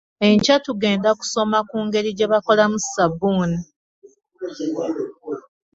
Enkya tugenda kusoma ku ngeri gye bakolamu ssabbuuni.